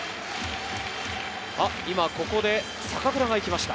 ここで坂倉が行きました。